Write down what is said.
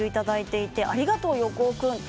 ありがとう、横尾君。